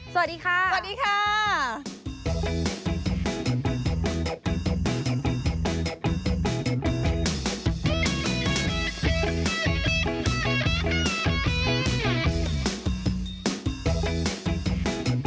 สวัสดีค่ะ